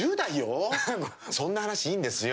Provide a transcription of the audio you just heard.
そんな話いいんですよ。